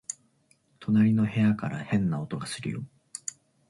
隣の部屋から変な音がするよ